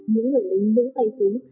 những người lính đứng tay xuống